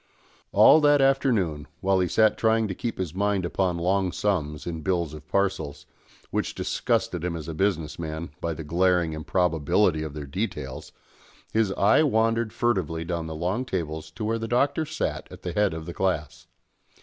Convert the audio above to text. All that afternoon, while he sat trying to keep his mind upon long sums in Bills of Parcels, which disgusted him as a business man, by the glaring improbability of their details, his eye wandered furtively down the long tables to where the Doctor sat at the head of the class.